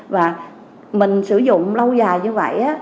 và mình sử dụng lâu dài như vậy